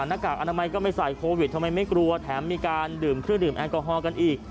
หน้ากากอนามัยไม่ใส่โควิดทำไมไม่กลัวแถมมีการดื่มอนากอฮอก็นอีก